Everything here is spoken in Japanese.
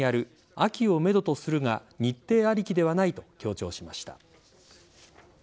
秋をめどとするが日程ありきではないと強調しました。